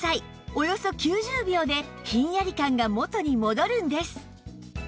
およそ９０秒でひんやり感が元に戻るんです